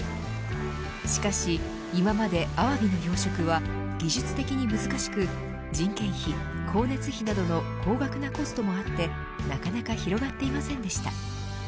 しかし、今までアワビの養殖は技術的に難しく、人件費光熱費などの高額なコストもあってなかなか広がっていませんでした。